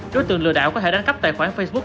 đối tượng lừa đảo có thể đánh cắp tài khoản facebook